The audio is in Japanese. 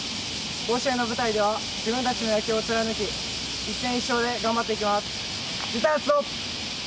甲子園の舞台では自分たちの野球を貫き一戦必勝で頑張っていきます。